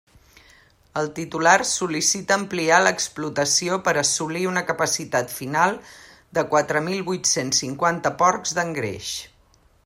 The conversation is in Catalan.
El titular sol·licita ampliar l'explotació per assolir una capacitat final de quatre mil vuit-cents cinquanta porcs d'engreix.